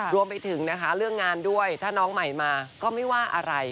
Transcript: รวมไปถึงนะคะเรื่องงานด้วยถ้าน้องใหม่มาก็ไม่ว่าอะไร